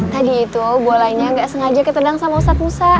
tadi itu bolanya gak sengaja ketendang sama ustadz musa